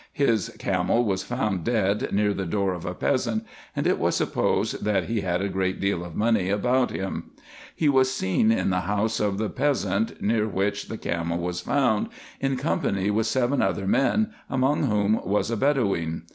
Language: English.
His camel was found dead near the door of a peasant, and it was supposed that he had a great deal of money about him. He was seen in the house of the peasant, near which the camel was found, in company with seven other men, among whom was a Bedoween.